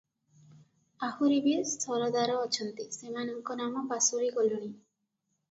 ଆହୁରି ବି ସରଦାର ଅଛନ୍ତି, ସେମାନଙ୍କ ନାମ ପାସୋରି ଗଲିଣି ।